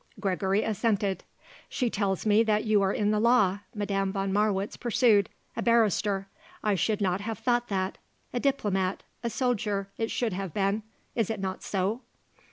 Gregory assented. "She tells me that you are in the law," Madame von Marwitz pursued; "a barrister. I should not have thought that. A diplomat; a soldier, it should have been. Is it not so?"